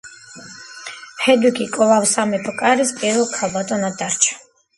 ჰედვიგი კვლავ სამეფო კარის პირველ ქალბატონად დარჩა.